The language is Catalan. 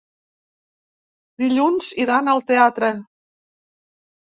Dilluns iran al teatre.